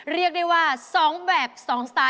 เรียกได้ว่า๒แบบ๒สไตล